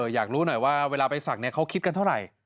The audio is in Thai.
อยากรู้หน่อยว่าเวลาไปศักดิ์เขาคิดกันเท่าไหร่